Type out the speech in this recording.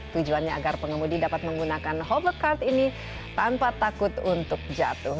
tujuannya agar pengemudi dapat menggunakan hovercard ini tanpa takut untuk jatuh